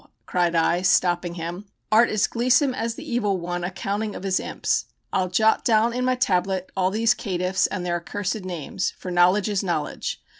cried I, stopping him, "art as gleesome as the evil one a counting of his imps. I'll jot down in my tablet all these caitiffs and their accursed names: for knowledge is knowledge.